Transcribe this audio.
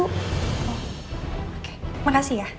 oke makasih ya